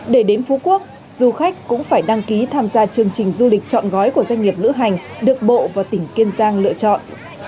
để đến phú quốc du khách cũng phải đăng ký tham gia chương trình du lịch chọn gói của doanh nghiệp lữ hành được bộ và tỉnh kiên giang lựa chọn